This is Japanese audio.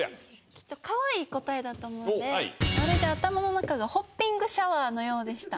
きっと可愛い答えだと思うんでまるで頭の中がホッピングシャワーのようでした。